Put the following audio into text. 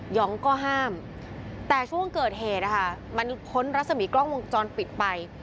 องก็ห้ามแต่ช่วงเกิดเหตุนะคะมันพ้นรัศมีกล้องวงจรปิดไป